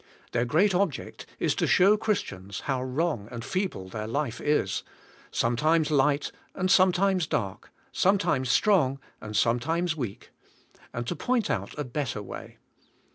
Their great object is to shov7 Christians how wrong and feeble their life is, some times light and sometimes dark, sometimes strong and sometimes weak, and to point out a better way.